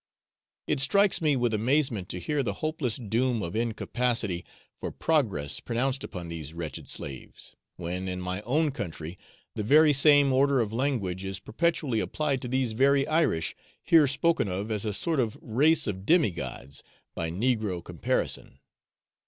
It strikes me with amazement to hear the hopeless doom of incapacity for progress pronounced upon these wretched slaves, when in my own country the very same order of language is perpetually applied to these very Irish, here spoken of as a sort of race of demigods, by negro comparison.